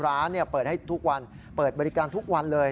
ร้านเปิดให้ทุกวันเปิดบริการทุกวันเลย